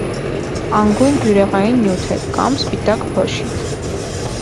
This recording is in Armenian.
Անգույն բյուրեղային նյութ է կամ սպիտակ փոշի։